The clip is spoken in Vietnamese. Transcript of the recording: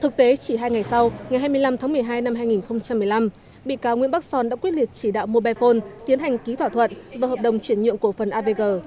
thực tế chỉ hai ngày sau ngày hai mươi năm tháng một mươi hai năm hai nghìn một mươi năm bị cáo nguyễn bắc son đã quyết liệt chỉ đạo mobile phone tiến hành ký thỏa thuận và hợp đồng chuyển nhượng cổ phần avg